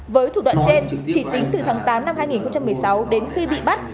với thủ đoạn trên chỉ tính từ tháng tám năm hai nghìn một mươi sáu đến khi bị bắt